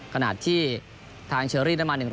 ขณะที่ทางเชอรี่ดนั้นมา๑๐๙